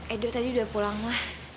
edo tadi udah pulang lah